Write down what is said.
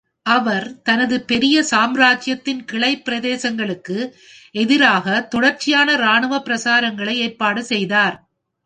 அவர் தனது பெரிய சாம்ராஜ்யத்தின் கிளை பிரதேசங்களுக்கு எதிராக தொடர்ச்சியான இராணுவப் பிரசாரங்களை ஏற்பாடு செய்தார்.